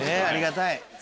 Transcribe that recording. ありがたい！